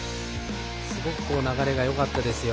すごく流れがよかったですよ